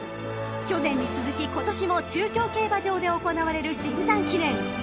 ［去年に続き今年も中京競馬場で行われるシンザン記念］